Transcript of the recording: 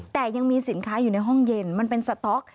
แต่ยังมีสินค้าอยู่ในห้องเย็นมันเป็นสต๊อก